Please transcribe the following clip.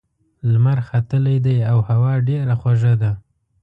لمر ختلی دی او هوا ډېره خوږه ده.